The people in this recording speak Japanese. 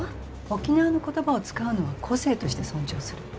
沖縄の言葉を使うのは個性として尊重する。